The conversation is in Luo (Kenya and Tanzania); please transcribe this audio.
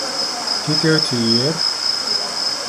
Tike oti yier